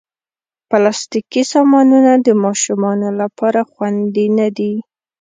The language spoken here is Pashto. پلاستيکي سامانونه د ماشومانو لپاره خوندې نه دي.